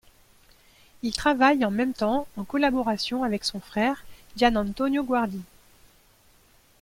Il travaille en même temps en collaboration avec son frère Gianantonio Guardi.